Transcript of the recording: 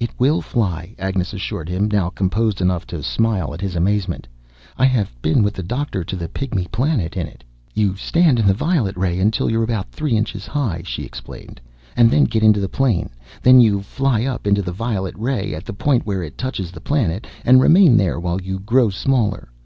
"It will fly!" Agnes assured him, now composed enough to smile at his amazement. "I have been with the doctor to the Pygmy Planet in it. "You stand in the violet ray until you're about three inches high," she explained, "and then get into the plane. Then you fly up and into the violet ray at the point where it touches the planet, and remain there while you grow smaller.